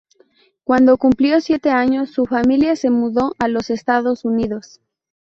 Cuando cumplió siete años, su familia se mudó a los Estados Unidos.